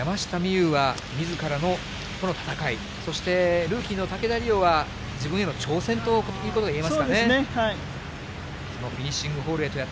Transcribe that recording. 有はみずからのこの戦い、そして、ルーキーの竹田麗央は自分への挑戦ということがいえますそうですね。